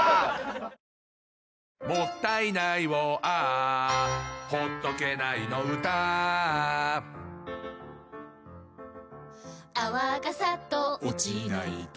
「もったいないをＡｈ」「ほっとけないの唄Ａｈ」「泡がサッと落ちないと」